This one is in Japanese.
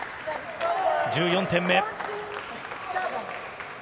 １４点目。